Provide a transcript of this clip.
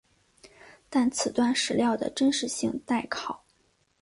但此段史料的真实性待考。